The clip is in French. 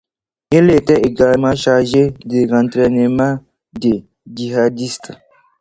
Il était également chargé de l'entraînement de djihadistes.